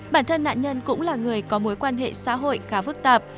bản thân nạn nhân cũng là người có mối quan hệ xã hội khá phức tạp